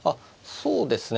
そうですね。